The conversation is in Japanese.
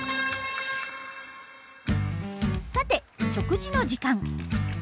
さて食事の時間。